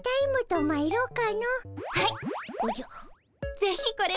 ぜひこれを。